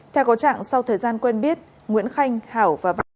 theo có trạng sau thời gian quên biết nguyễn khanh hảo và văn khanh